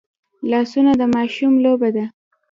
لاسونه د ماشوم لوبه ده